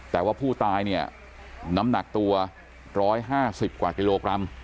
แต่ว่าผู้ตายเนี่ยน้ำหนักตัว๑๕๐กว่ากิโลกรัม